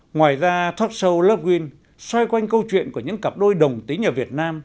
ngoài ra talk show block win xoay quanh câu chuyện của những cặp đôi đồng tính ở việt nam